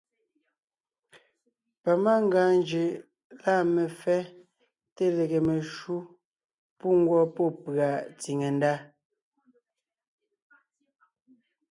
Pamangʉa njʉʼ lâ mefɛ́ té lege meshǔ pú ngwɔ́ pɔ́ pʉ̀a tsìŋe ndá.